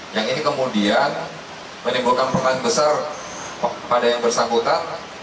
yang ini kemudian menimbulkan pertanyaan besar pada yang bersangkutan